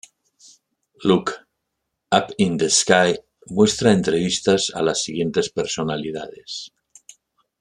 Look, Up in the Sky muestra entrevistas a las siguientes personalidades.